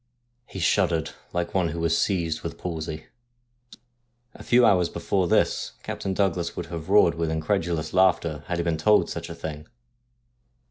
He shuddered like one who was seized with palsy. A few hours before this Captain Douglas would have roared with incredulous laughter had he been told such a thing.